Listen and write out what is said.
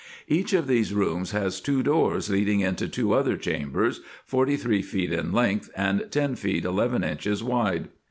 Each of these rooms has two doors leading into two other chambers, forty three feet in length, and ten feet eleven inches wide.